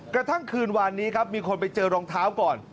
กระทั่งคืนวานนี้ครับมีคนไปเจอรองเท้าก่อน